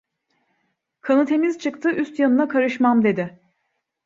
Kanı temiz çıktı, üst yanına karışmam. dedi.